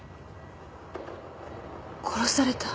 殺された？